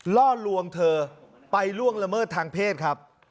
ล่อลวงเธอไปล่วงละเมิดทางเพศครับ